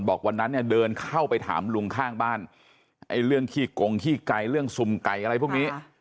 บอกวันนั้นเนี่ยเดินเข้าไปถามลุงข้างบ้านไอ้เรื่องขี้กงขี้ไก่เรื่องสุ่มไก่อะไรพวกนี้